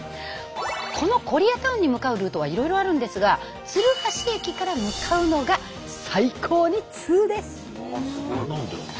このコリアタウンに向かうルートはいろいろあるんですが鶴橋駅から向かうのが最高にツウです！